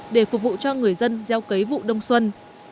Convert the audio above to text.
để phục vụ cho người dân gieo cấy vụ đông xuân